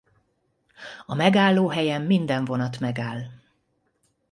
A megállóhelyen minden vonat megáll.